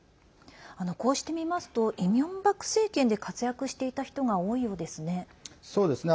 こうして見ますとイ・ミョンバク政権で活躍していた人が多いようですね。